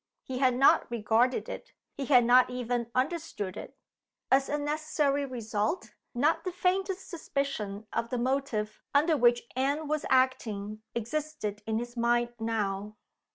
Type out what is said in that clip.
He had not regarded it; he had not even understood it. As a necessary result, not the faintest suspicion of the motive under which Anne was acting existed in his mind now.